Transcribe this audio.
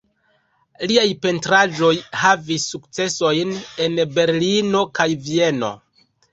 Liaj pentraĵoj havis sukcesojn en Berlino kaj Vieno.